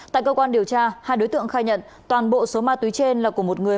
tại cơ quan điều tra hai đối tượng khai nhận toàn bộ số ma túy trên là của một người